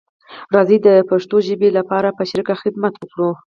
راځی د پښتو ژبې لپاره په شریکه خدمت وکړو